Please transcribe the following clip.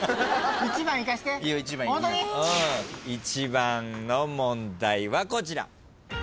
１番の問題はこちら。